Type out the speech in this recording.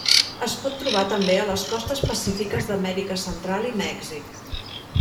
Es pot trobar també a les costes pacífiques d'Amèrica Central i Mèxic.